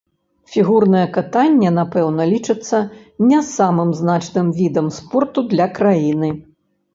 Фігурнае катанне, напэўна, лічыцца не самым значным відам спорту для краіны.